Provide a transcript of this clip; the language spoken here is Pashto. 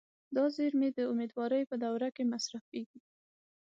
دا زیرمې د امیدوارۍ په دوره کې مصرفېږي.